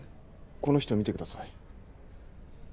この人見てください。